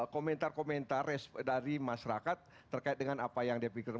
komentar komentar dari masyarakat terkait dengan apa yang dia pikirkan